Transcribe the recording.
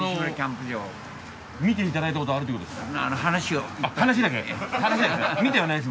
見ていただいたことあるっていうことですか？